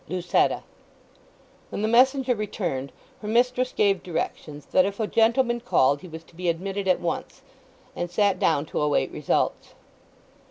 LUCETTA. When the messenger returned her mistress gave directions that if a gentleman called he was to be admitted at once, and sat down to await results.